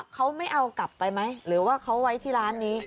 เขาไม่เอากลับไปไหมหรือว่าเขาไว้ที่ร้านนี้